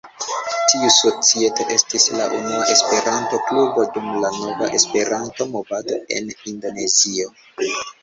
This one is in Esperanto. Tiu societo estis la unua Esperanto-klubo dum la nova Esperanto-movado en Indonezio.